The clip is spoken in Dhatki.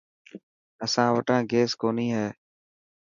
اسان وٽان گيس ڪوني هي.